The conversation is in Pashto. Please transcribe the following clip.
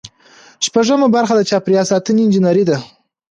شپږمه برخه د چاپیریال ساتنې انجنیری ده.